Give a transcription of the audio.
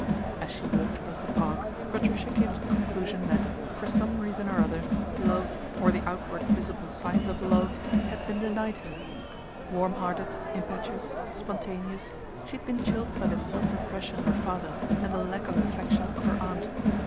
As she walked across the Park Patricia came to the conclusion that, for some reason or other, love, or the outward visible signs of love, had been THE BONSOR TRIGG'S MENAGE 17 denied her. Warm hearted, impetuous spon taneous, she had been chilled by the self repression of her father, and the lack of affection of her aunt.